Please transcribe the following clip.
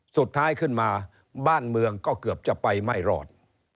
สุดท้ายขึ้นมาบ้านเมืองก็เกือบจะไปไม่รอด